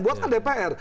buat kan dpr